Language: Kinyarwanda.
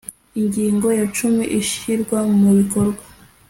ingingo yacumi ishyirwa mu bikorwa .